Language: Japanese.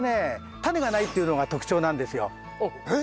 種がないっていうのが特徴なんですよ。えっ！？